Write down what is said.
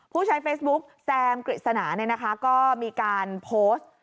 ผู้ใช้เฟซบุ๊คแซมกริสนาเนี่ยนะคะก็มีการโพสต์